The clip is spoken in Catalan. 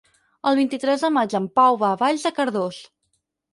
El vint-i-tres de maig en Pau va a Vall de Cardós.